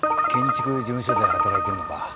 建築事務所で働いてんのか。